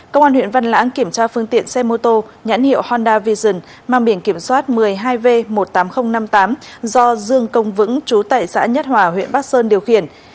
công an huyện văn lãng kiểm tra phương tiện xe mô tô nhãn hiệu honda vision mang biển kiểm soát một mươi hai v một mươi tám nghìn năm mươi tám do dương công vững chú tại xã nhất hòa huyện bắc sơn điều khiển